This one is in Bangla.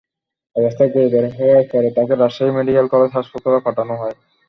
অবস্থা গুরুতর হওয়ায় পরে তাঁকে রাজশাহী মেডিকেল কলেজ হাসপাতালে পাঠানো হয়।